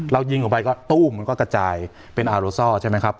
เรายิงออกไปก็ตู้มมันก็กระจายเป็นอารสอร์ใช่มั้ยครับ